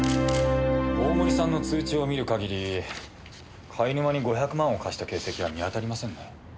大森さんの通帳を見る限り貝沼に５００万を貸した形跡は見当たりませんね。